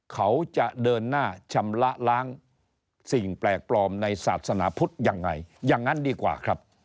เขาจะเดินหน้าชำระล้างสิ่งแปลกปลอมในศาสนาพุทธยังไงอย่างนั้นดีกว่าครับ